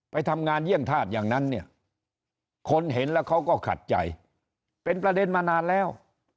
ไปทำงานเยี่ยงธาตุอย่างนั้นเนี่ยคนเห็นแล้วเขาก็ขัดใจเป็นประเด็นมานานแล้ว